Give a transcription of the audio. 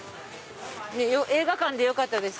映画館でよかったです。